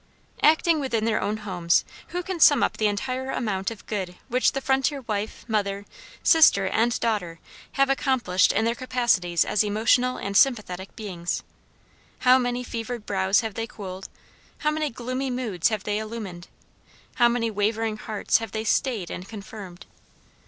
Acting within their own homes, who can sum up the entire amount of good which the frontier wife, mother, sister, and daughter have accomplished in their capacities as emotional and sympathetic beings? How many fevered brows have they cooled, how many gloomy moods have they illumined, how many wavering hearts have they stayed and confirmed?